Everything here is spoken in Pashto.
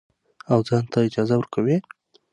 او ځان ته اجازه ورکوي.